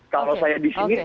kalau saya di sini